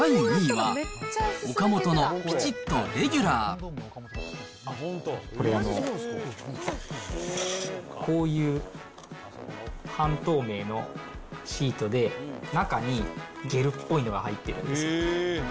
第２位は、これ、こういう半透明のシートで、中にゲルっぽいのが入っているんですよ。